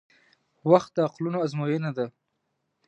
• وخت د عقلونو ازموینه ده.